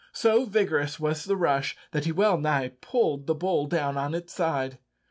So vigorous was the rush that he well nigh pulled the bull down on its side.